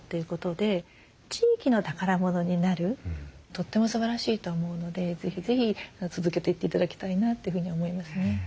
とってもすばらしいと思うので是非是非続けていって頂きたいなというふうに思いますね。